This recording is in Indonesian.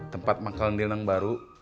tempat makanan di nang baru